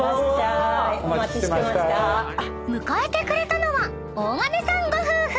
［迎えてくれたのは大金さんご夫婦］